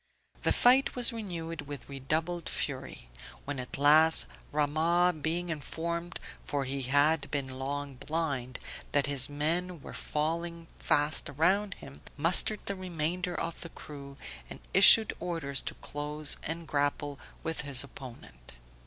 The fight was renewed with redoubled fury; when at last, Rahmah, being informed (for he had been long blind) that his men were falling fast around him, mustered the remainder of the crew, and issued orders to close and grapple with his opponent.